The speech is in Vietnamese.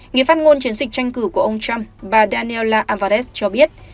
người phát ngôn chiến dịch tranh cử của ông trump bà danella alvarez cho biết